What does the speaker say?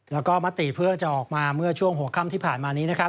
แล้วก็มติเพื่อจะออกมาเมื่อช่วงหัวค่ำที่ผ่านมานี้นะครับ